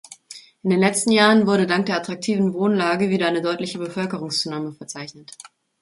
In den letzten Jahren wurde dank der attraktiven Wohnlage wieder eine deutliche Bevölkerungszunahme verzeichnet.